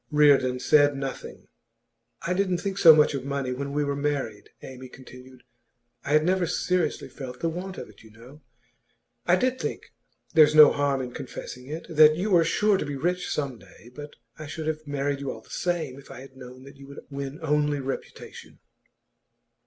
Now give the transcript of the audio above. Reardon said nothing. 'I didn't think so much of money when we were married,' Amy continued. 'I had never seriously felt the want of it, you know. I did think there's no harm in confessing it that you were sure to be rich some day; but I should have married you all the same if I had known that you would win only reputation.